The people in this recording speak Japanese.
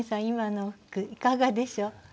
今の句いかがでしょう？